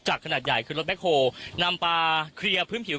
ขนาดใหญ่คือรถแคคโฮลนำปลาเคลียร์พื้นผิว